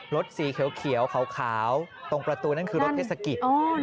รถสีเขียวขาวตรงประตูนั่นคือรถเทศกิจ